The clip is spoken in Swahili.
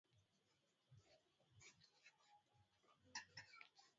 ambapo kocha wa real madrid ya nchini uspania hose